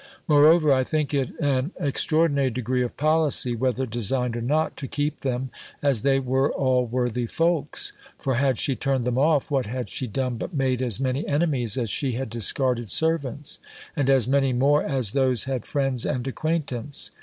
Moreover, I think it an extraordinary degree of policy (whether designed or not) to keep them, as they were all worthy folks; for had she turned them off, what had she done but made as many enemies as she had discarded servants; and as many more as those had friends and acquaintance?